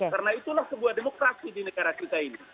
karena itulah sebuah demokrasi di negara kita ini